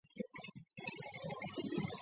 减轻受害者的伤痛